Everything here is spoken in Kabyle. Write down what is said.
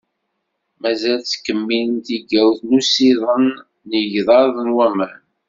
Mazal tettkemmil tigawt n usiḍen n yigḍaḍ n waman.